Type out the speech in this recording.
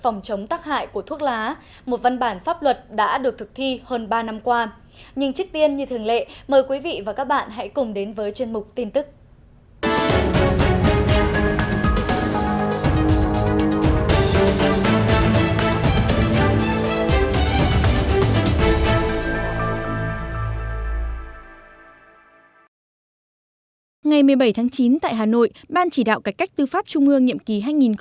ngày một mươi bảy tháng chín tại hà nội ban chỉ đạo cách cách tư pháp trung ương nhiệm ký hai nghìn một mươi sáu hai nghìn hai mươi một